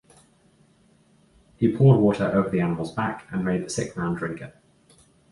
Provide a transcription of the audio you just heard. He poured water over the animal's back and made the sick man drink it.